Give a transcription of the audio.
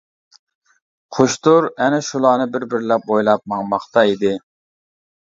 خۇشتۇر ئەنە شۇلارنى بىر-بىرلەپ ئويلاپ ماڭماقتا ئىدى.